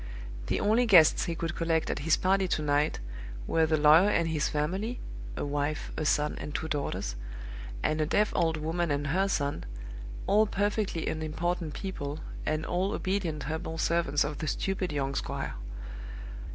The only guests he could collect at his party to night were the lawyer and his family (a wife, a son, and two daughters), and a deaf old woman and her son all perfectly unimportant people, and all obedient humble servants of the stupid young squire.